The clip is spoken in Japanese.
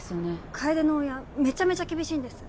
楓の親めちゃめちゃ厳しいんです